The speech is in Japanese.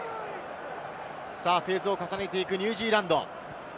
フェーズを重ねていくニュージーランド。